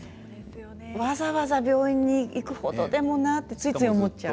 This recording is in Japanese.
わざわざ病院に行くほどでもなとついつい思っちゃう。